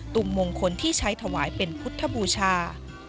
ุ่มมงคลที่ใช้ถวายเป็นพุทธบูชา